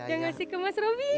tim berbuat baik buat mas robin